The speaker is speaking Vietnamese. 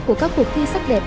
của các cuộc thi sắc đẹp